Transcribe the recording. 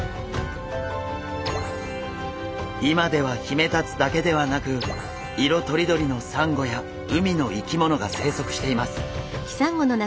今ではヒメタツだけではなく色とりどりのサンゴや海の生き物が生息しています。